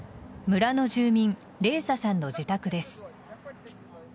村の住民レーサさんの自宅です。